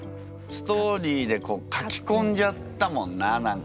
ストーリーで書きこんじゃったもんな何か。